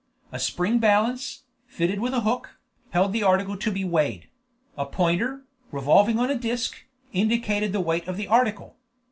A spring balance, fitted with a hook, held the article to be weighed; a pointer, revolving on a disc, indicated the weight of the article.